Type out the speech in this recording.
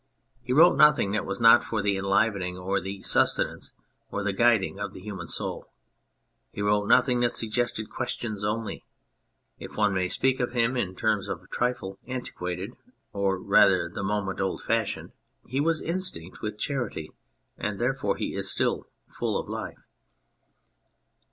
He wrote nothing that was not for the enlivening or the sustenance or the guiding of the human soul ; he wrote nothing that suggested questions only. If one may speak of him in terms a trifle antiquated (or rather for the moment old fashioned), he was instinct with charity, and therefore he is still full of life.